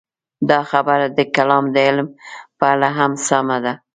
دا خبره د کلام د علم په اړه هم سمه ده.